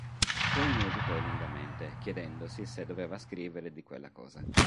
Poi meditò lungamente, chiedendosi se doveva scrivere di quella cosa.